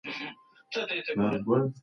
طبیعي سرچینې ملي شتمني ده.